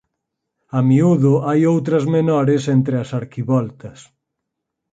A miúdo hai outras menores entre as arquivoltas.